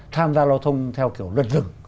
tham gia giao thông theo kiểu luật dựng